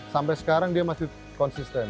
sampai sekarang dia masih konsisten